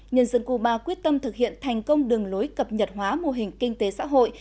nhân dân cuba quyết tâm thực hiện thành công đường lối cập nhật hóa mô hình kinh tế xã hội